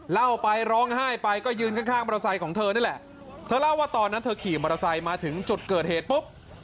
เล่าไปร้องไห้ไปก็ยืนข้างข้างมอเตอร์ไซค์ของเธอนี่แหละเธอเล่าว่าตอนนั้นเธอขี่มอเตอร์ไซค์มาถึงจุดเกิดเหตุปุ๊บ